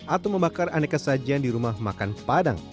atau membakar aneka sajian di rumah makan padang